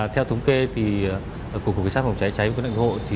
theo thống kê của công ty sát phòng cháy cháy và công ty đại hội